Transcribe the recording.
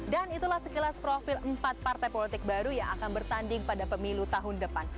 dan itulah sekilas profil empat partai politik baru yang akan bertanding pada pemilu tahun depan